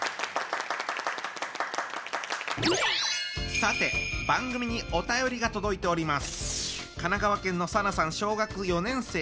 さて番組にお便りが届いております。